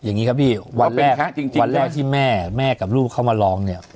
อย่างนี้ครับพี่วันแรกที่แม่แม่กับลูกเข้ามาลอง